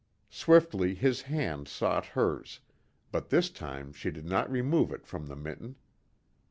Swiftly his hand sought hers, but this time she did not remove it from the mitten.